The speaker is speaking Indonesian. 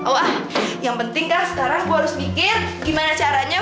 wah yang penting kan sekarang gue harus mikir gimana caranya